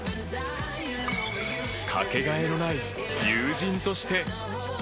かけがえのない友人として。